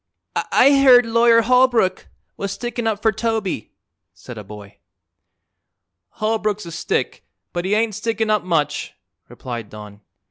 "I heard Lawyer Holbrook was stickin' up for Toby," said a boy. "Holbrook's a stick, but he ain't stickin' up much," replied Don.